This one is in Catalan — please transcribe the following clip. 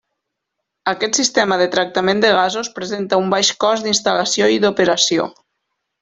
Aquest sistema de tractament de gasos presenta un baix cost d'instal·lació i d'operació.